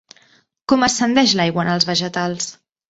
Com ascendeix l'aigua en els vegetals?